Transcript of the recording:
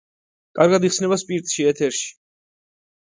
კარგად იხსნება სპირტში, ეთერში.